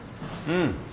うん。